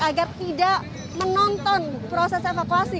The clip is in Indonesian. agar tidak menonton proses evakuasi